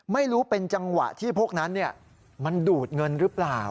ไม่รู้เป็นจังหวะที่พวกนั้นมันดูดเงินหรือเปล่า